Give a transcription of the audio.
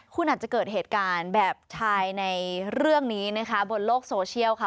คุณอาจจะเกิดเหตุการณ์แบบชายในเรื่องนี้นะคะบนโลกโซเชียลค่ะ